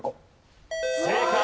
正解。